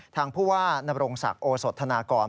ทางผู้ว่านรงศักดิ์โอสธนากร